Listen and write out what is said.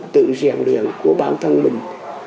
tự diện luyện của bản thân mình